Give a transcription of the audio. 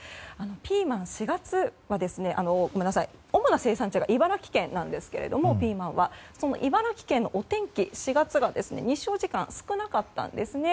ピーマンは主な生産地が茨城県なんですが茨城県のお天気、４月が日照時間少なかったんですね。